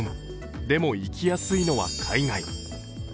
でも生きやすいのは海外。